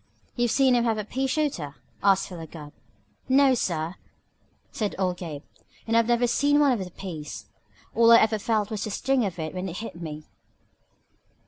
"You've seen him have a pea shooter?" asked Philo Gubb. "No, sir!" said old Gabe. "And I never seen one of the peas. All I ever felt was the sting of it when it hit me."